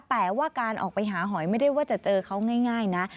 แต่ว่าการออกไปหาหอยไม่ได้ว่าจะเจอเขาง่ายนะ